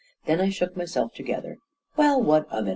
Then I shook myself together. "Well, what of it?"